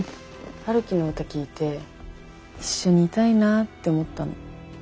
陽樹の歌聴いて一緒にいたいなって思ったの。